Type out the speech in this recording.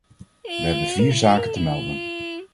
We hebben vier zaken te melden.